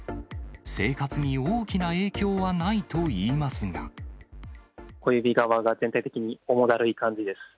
生活に大きな影響はないといいま小指側が全体的に重だるい感じです。